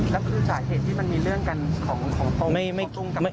แล้วคือสาเหตุที่มันมีเรื่องกันของตรงกับของเขา